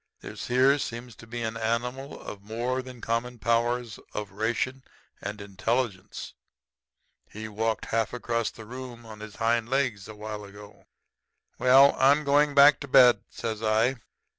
This here seems to me to be an animal of more than common powers of ration and intelligence. He walked half across the room on his hind legs a while ago.' "'Well, I'm going back to bed,' says I.